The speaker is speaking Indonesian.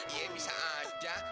iya bisa saja